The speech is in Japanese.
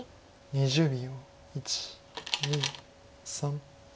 ２０秒。